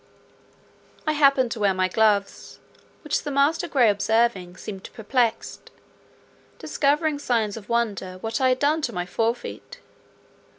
I happened to wear my gloves, which the master gray observing, seemed perplexed, discovering signs of wonder what I had done to my forefeet.